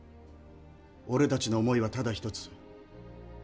俺たちの思いはただ一つ。